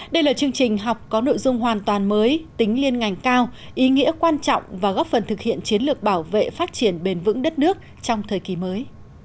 đây là chương trình học có nội dung hoàn toàn mới tính liên ngành cao ý nghĩa quan trọng và góp phần thực hiện chiến lược bảo vệ phát triển bền vững đất nước trong thời kỳ mới